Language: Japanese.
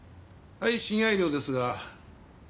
はい親愛寮ですが。